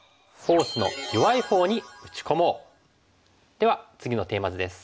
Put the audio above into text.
では次のテーマ図です。